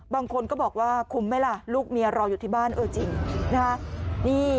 บางคนก็บอกว่าคุ้มไหมล่ะลูกเมียรออยู่ที่บ้านเออจริงนะฮะ